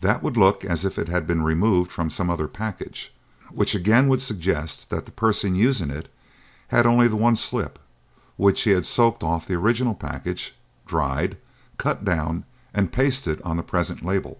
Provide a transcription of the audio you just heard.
That would look as if it had been removed from some other package, which again would suggest that the person using it had only the one slip, which he had soaked off the original package, dried, cut down and pasted on the present label.